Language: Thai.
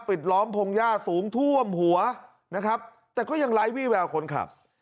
ปิดล้อมพงย่าสูงทั่วมหัวนะครับแต่ก็ยังบร้ายวีแว่นคนขับ